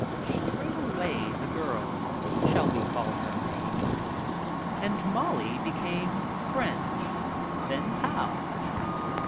Straightway the girl — shall we call her Mae? — and Molly became friends, then pals.